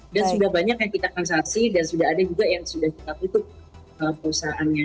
dan sudah banyak yang kita konsasi dan sudah ada juga yang sudah kita tutup perusahaannya